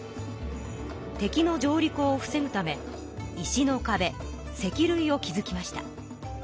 敵の上陸を防ぐため石のかべ石るいを築きました。